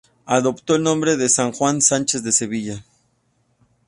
Adoptó el nombre de Juan Sánchez de Sevilla.